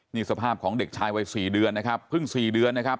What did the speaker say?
นี่สภาพของเด็กชายวัย๔เดือนนะครับเพิ่ง๔เดือนนะครับ